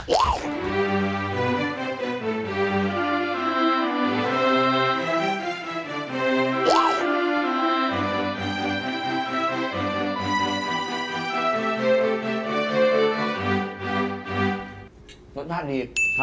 รสชาติดีครับผม